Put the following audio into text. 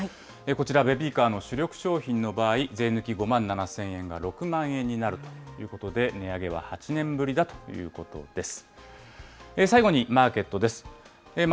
こちらベビーカーの主力商品の場合、税抜き５万７０００円が６万円になるということで、値上げは８年ぶりだということです。